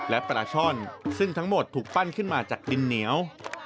และปลาช่อนซึ่งทั้งหมดถูกปั้นขึ้นมาจากดินเหนียว